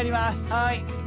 はい。